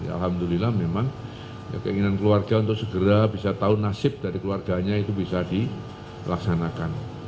alhamdulillah memang keinginan keluarga untuk segera bisa tahu nasib dari keluarganya itu bisa dilaksanakan